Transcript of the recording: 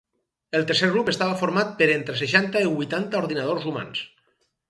El tercer grup estava format per entre seixanta i vuitanta ordinadors humans.